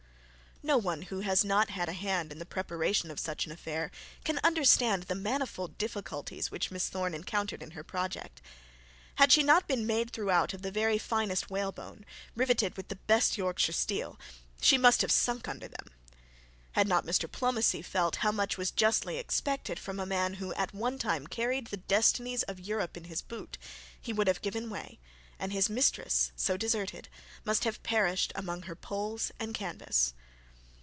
No one who has not had a hand in the preparation of such an affair can understand the manifold difficulties which Miss Thorne encountered in her project. Had she not been made throughout of the very finest whalebone, rivetted with the best Yorkshire steel, she must have sunk under them. Had not Mr Pomney felt how much was justly expected from a man who at one time carried the destinies of Europe in his boot, he would have given way; and his mistress, so deserted, must have perished among her poles and canvass.